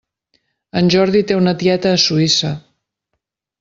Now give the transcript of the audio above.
En Jordi té una tieta a Suïssa.